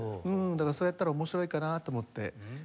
だからそうやったら面白いかなと思って。